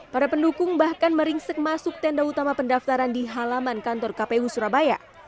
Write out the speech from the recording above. para pendukung bahkan meringsek masuk tenda utama pendaftaran di halaman kantor kpu surabaya